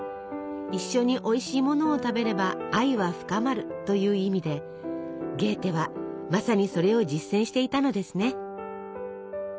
「一緒においしいものを食べれば愛は深まる」という意味でゲーテはまさにそれを実践していたのですね。